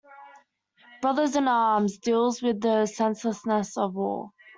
"Brothers in Arms" deals with the senselessness of war.